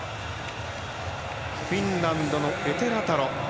フィンランドのエテラタロ。